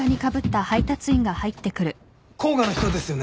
甲賀の人ですよね？